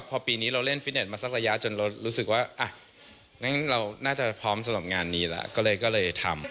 พอปีนี้เราเล่นฟิตเน็ตมาสักระยะจนเรารู้สึกว่าอ่ะงั้นเราน่าจะพร้อมสำหรับงานนี้แล้วก็เลยก็เลยทำ